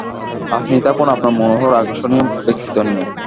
আপনি থাকুন আপনার মনোহর, আকর্ষণীয় ব্যক্তিত্ব নিয়ে।